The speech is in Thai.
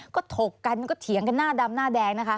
ก็ถกกันก็เถียงกันหน้าดำหน้าแดงนะคะ